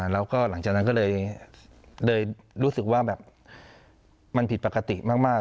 แล้วก็หลังจากนั้นก็เลยรู้สึกว่าแบบมันผิดปกติมาก